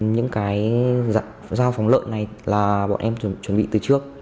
những cái giao phóng lợi này là bọn em chuẩn bị từ trước